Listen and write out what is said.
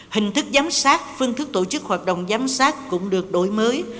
hình thức giám sát phương thức tổ chức hoạt động giám sát cũng được đổi mới